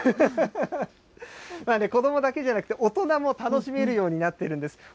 子どもだけじゃなくて、大人も楽しめるようになっているんです。